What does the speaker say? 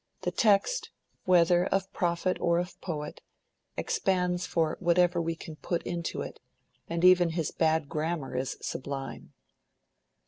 The text, whether of prophet or of poet, expands for whatever we can put into it, and even his bad grammar is sublime.